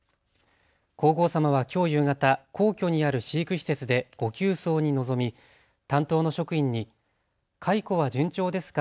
皇后さまはきょう夕方、皇居にある飼育施設で御給桑に臨み担当の職員に蚕は順調ですか。